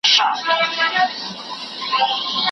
یکه زار سیوری د ولو ږغ راځي له کوهستانه